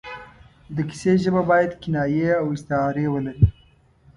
د کیسې ژبه باید کنایې او استعارې ولري.